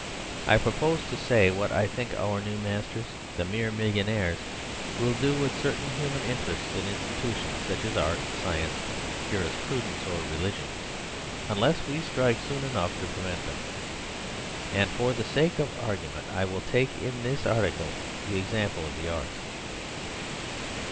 I propose to say what I think our new masters, the mere millionaires, will do with certain human interests and institutions, such as art, science, jurisprudence, or religion unless we strike soon enough to prevent them. And for the sake of argument I will take in this article the example of the arts.